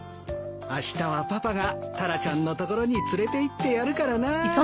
あしたはパパがタラちゃんの所に連れていってやるからな。